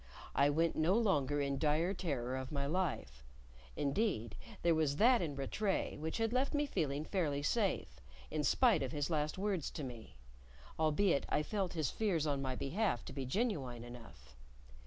I went no longer in dire terror of my life; indeed, there was that in Rattray which had left me feeling fairly safe, in spite of his last words to me, albeit I felt his fears on my behalf to be genuine enough.